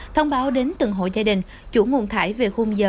thông báo đến từng hộ gia đình chủ nguồn thải về khung giờ